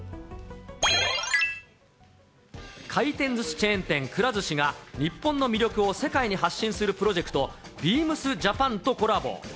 回転ずしチェーン店、くら寿司が、日本の魅力を世界に発信するプロジェクト、ビームスジャパンとコラボ。